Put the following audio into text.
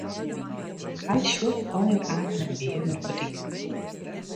Hy sjocht allegear apen en bearen op 'e dyk.